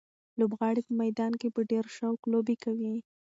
لوبغاړي په میدان کې په ډېر شوق لوبې کوي.